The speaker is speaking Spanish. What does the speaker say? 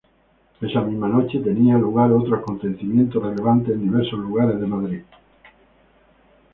Esa misma noche tenían lugar otros acontecimientos relevantes en diversos lugares de Madrid.